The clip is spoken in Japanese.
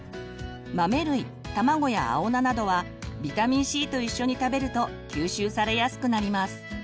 豆類卵や青菜などはビタミンＣと一緒に食べると吸収されやすくなります。